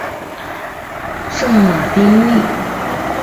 圣马丁利。